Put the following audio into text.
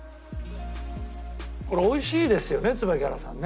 これ美味しいですよね椿原さんね。